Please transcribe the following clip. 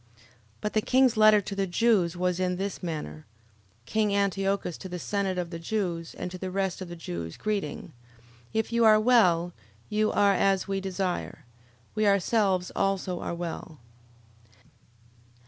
11:27. But the king's letter to the Jews was in this manner: King Antiochus to the senate of the Jews, and to the rest of the Jews, greeting. 11:28. If you are well, you are as we desire: we ourselves also are well.